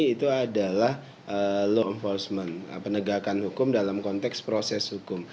itu adalah law enforcement penegakan hukum dalam konteks proses hukum